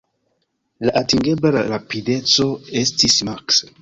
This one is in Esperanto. La atingebla rapideco estis maks.